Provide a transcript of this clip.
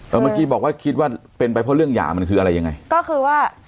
เมื่อกี้บอกว่าคิดว่าเป็นไปเพราะเรื่องหย่ามันคืออะไรยังไงก็คือว่า